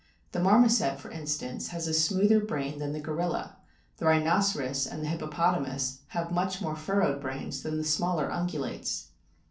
The Marmoset, for instance, has a smoother brain than the Gorilla ; the Rhinoceros and the Hippopotamus have much more furrowed brains than the smaller Ungulates.